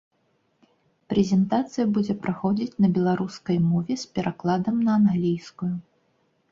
Прэзентацыя будзе праходзіць на беларускай мове з перакладам на англійскую.